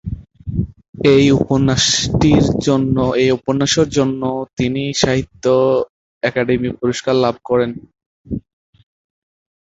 এই উপন্যাসের জন্য তিনি সাহিত্য অকাদেমি পুরস্কার লাভ করেন।